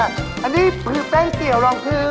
อันนี้คือแป้งเกียร์รองพื้น